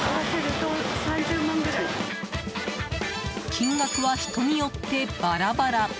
金額は人によってバラバラ。